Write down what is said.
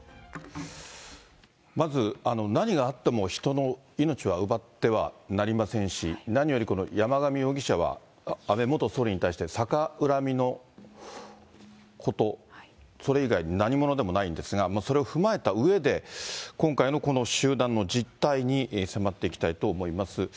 まず、何があっても人の命は奪ってはなりませんし、何よりこの山上容疑者は、安倍元総理に対して逆恨みのこと、それ以外の何物でもないんですが、それを踏まえたうえで、今回のこの集団の実態に迫っていきたいと思います。